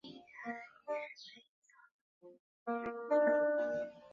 本次颁奖礼为第一届马来西亚国际电影人年展的三大重点活动之一。